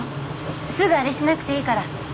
すぐあれしなくていいから。